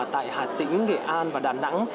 tại hà tĩnh nghệ an và đà nẵng